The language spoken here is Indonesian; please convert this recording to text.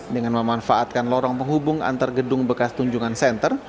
dengan memanfaatkan lorong penghubung antar gedung bekas tunjungan center